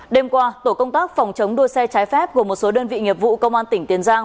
đêm qua tổ công tác phòng chống đua xe trái phép gồm một số đơn vị nghiệp vụ công an tỉnh tiền giang